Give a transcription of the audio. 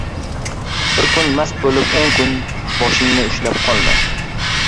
• Bir kun mast bo‘lib, o‘n kun boshingni ushlab qolma.